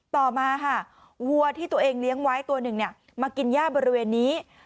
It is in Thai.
ต่อมาค่ะวัวที่ตัวเองเลี้ยงไว้ตัวหนึ่งมากินย่าบริเวณนี้